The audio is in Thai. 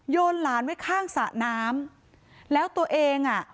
หลานไว้ข้างสระน้ำแล้วตัวเองอ่ะ